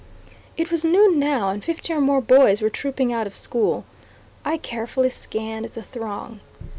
It was noon now, and fifty or more boys were trooping out of school. I carefully scanned the throng.